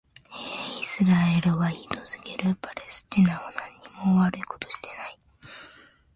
イスラエルはひどすぎる。パレスチナはなにも悪いことをしていない。